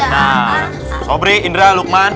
nah sobri indra lukman